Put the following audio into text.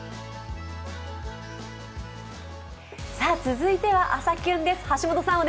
続いては「朝キュン」です。